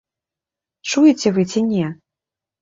Чуеце вы ці не?